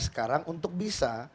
sekarang untuk bisa